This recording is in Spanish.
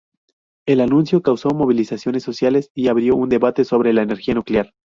El anuncio causó movilizaciones sociales y abrió un debate sobre la energía nuclear.